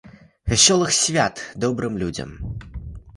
Вясёлых свят добрым людзям!